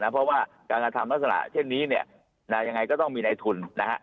เพราะว่าการกระทำลักษณะเช่นนี้ยังไงก็ต้องมีในทุนนะฮะ